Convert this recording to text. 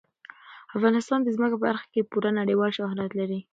افغانستان د ځمکه په برخه کې پوره نړیوال شهرت لري.